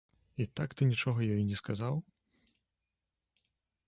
І так ты нічога ёй не сказаў?